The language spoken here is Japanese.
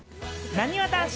なにわ男子。